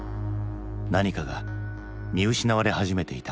何かが見失われ始めていた。